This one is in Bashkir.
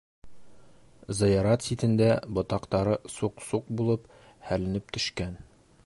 Зыярат ситендә, ботаҡтары суҡ-суҡ булып һәленеп төшкән